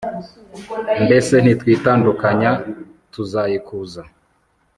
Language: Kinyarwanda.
mbese nitwitandukanya tuzayikuza